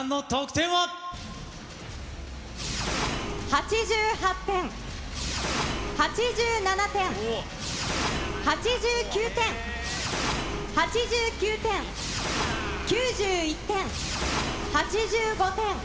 ８８点、８７点、８９点、８９点、９１点、８５点、８７点。